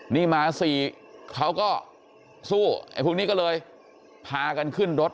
นี่มาสี่เขาก็สู้ไอ้พวกนี้ก็เลยพากันขึ้นรถ